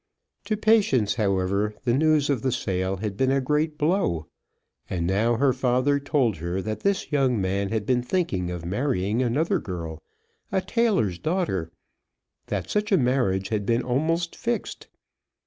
To Patience, however, the news of the sale had been a great blow. And now her father told her that this young man had been thinking of marrying another girl, a tailor's daughter; that such a marriage had been almost fixed.